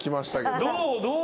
どう？